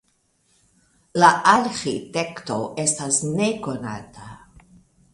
La arĥitekto estas nekonata.